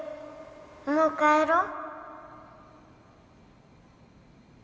もう帰ろう